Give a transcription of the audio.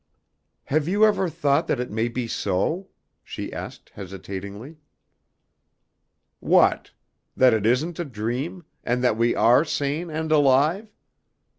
"Have you ever thought that it may be so?" she asked hesitatingly. "What? That it isn't a dream, and that we are sane and alive?